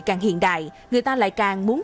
càng hiện đại người ta lại càng muốn